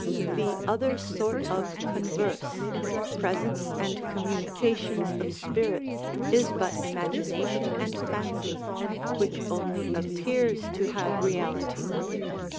The other sort of converse, presence, and communi cations of spirits is but imagination and fancy, which only appears to have reality.